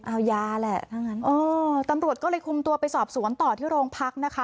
เอายาแหละถ้างั้นเออตำรวจก็เลยคุมตัวไปสอบสวนต่อที่โรงพักนะคะ